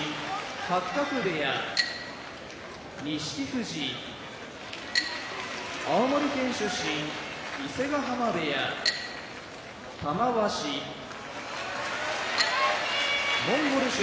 八角部屋錦富士青森県出身伊勢ヶ濱部屋玉鷲モンゴル出身